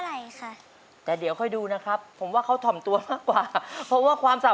แม้จะเหนื่อยหล่อยเล่มลงไปล้องลอยผ่านไปถึงเธอ